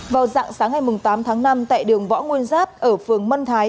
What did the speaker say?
vào dạng sáng ngày tám tháng năm tại đường võ nguyên giáp ở phường mân thái